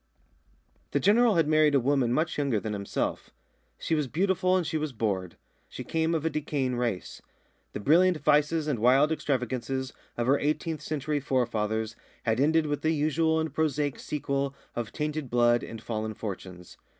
The General had married a woman much younger than himself. She was beautiful and she was bored. She came of a decaying race. The brilliant vices and wild extravagances of her eighteenth century forefathers had ended with the usual and prosaic sequel of tainted blood and fallen fortunes.